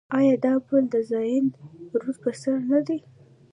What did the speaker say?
آیا دا پل د زاینده رود پر سر نه دی؟